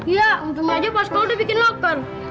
ya mungkin aja pas kalau udah bikin loker